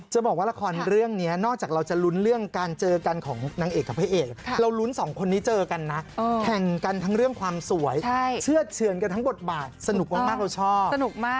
จะบอกว่าละครเรื่องนี้นอกจากเราจะลุ้นเรื่องการเจอกันของนางเอกกับพระเอกเรารุ้นสองคนนี้เจอกันนะแข่งกันทั้งเรื่องความสวยเชื่อเฉือนกันทั้งบทบาทสนุกมากเราชอบสนุกมาก